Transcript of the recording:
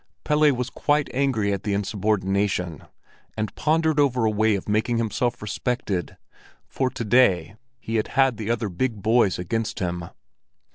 Pelle was quite angry at the insubordination, and pondered over a way of making himself respected; for to day he had had the other big boys against him.